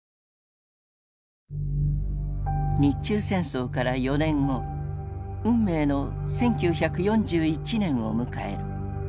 日中戦争から４年後運命の１９４１年を迎える。